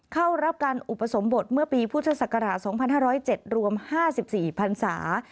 เข้ารับการอุปสมบทเมื่อปีพศ๒๕๐๗รวม๕๔พรรษา